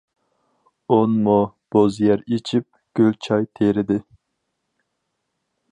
ئون مو بوز يەر ئېچىپ، گۈلچاي تېرىدى.